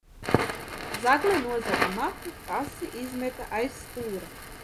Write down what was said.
Zagle nozaga maku. Pasi izmeta aiz stūra.